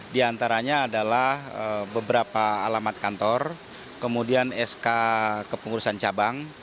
di antaranya adalah beberapa alamat kantor kemudian sk kepengurusan cabang